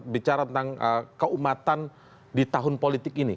bicara tentang keumatan di tahun politik ini